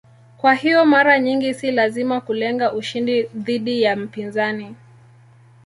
Kwa hiyo mara nyingi si lazima kulenga ushindi dhidi ya mpinzani.